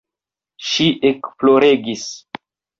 Ŝi ekploregis.